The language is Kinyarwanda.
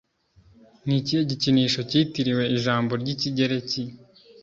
Ni ikihe gikinisho cyitiriwe ijambo ry'Ikigereki